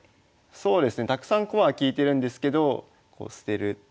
そうですねたくさん駒は利いてるんですけど捨てる。